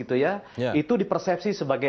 pilihan pemilihan penyiasan di jawa barat